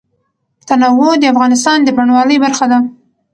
تنوع د افغانستان د بڼوالۍ برخه ده.